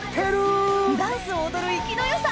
ダンスを踊る生きの良さ！